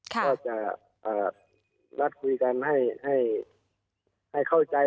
ก็จะนัดคุยกันให้เข้าใจ